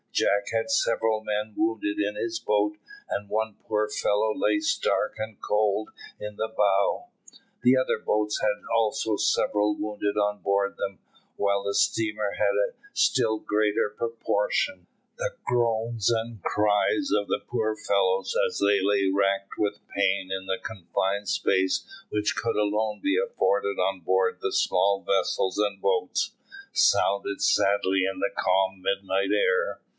Jack had several men wounded in his boat, and one poor fellow lay stark and cold in the bow. The other boats had also several wounded on board them, while the steamer had a still greater proportion. The groans and cries of the poor fellows, as they lay racked with pain in the confined space which could alone be afforded on board the small vessels and boats, sounded sadly in the calm midnight air.